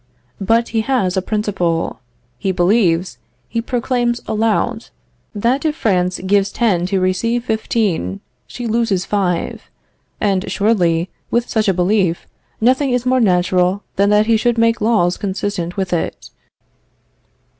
But he has a principle. He believes, he proclaims aloud, that if France gives ten to receive fifteen, she loses five; and surely, with such a belief, nothing is more natural than that he should make laws consistent with it.